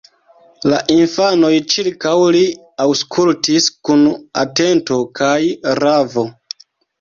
La infanoj ĉirkaŭ li aŭskultis kun atento kaj ravo.